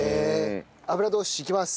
油通しいきます。